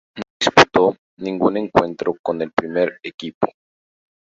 No disputó ningún encuentro con el primer equipo.